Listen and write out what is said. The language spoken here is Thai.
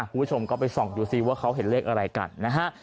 คุณผู้ชมก็ไปส่องดูซิว่าเขาเห็นเลขอะไรกันนะฮะ